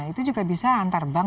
itu juga bisa antar bank